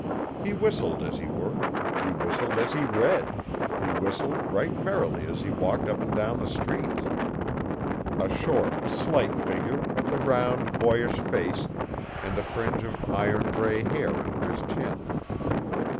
He whistled as he worked, he whistled as he read, he whistled right merrily as he walked up and down the streets a short, slight figure with a round boyish face and a fringe of iron grey hair under his chin.